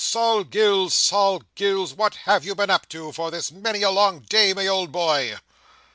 Sol Gills, Sol Gills, what have you been up to, for this many a long day, my ould boy?"